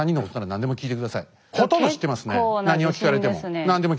何を聞かれても。